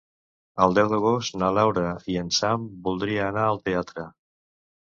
El deu d'agost na Laura i en Sam voldria anar al teatre.